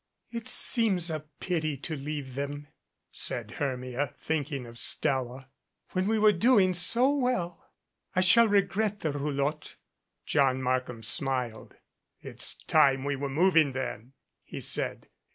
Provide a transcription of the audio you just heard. "It seems a pity to leave them," said Hermia, thinking of Stella, "when we were doing so well. I shall regret the roulotte." John Markham smiled. "It's time we were moving, then," he said.